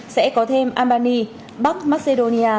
sẽ có thêm albany bắc macedonia